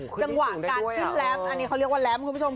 จังหวะการขึ้นแรมอันนี้เขาเรียกว่าแรมคุณผู้ชม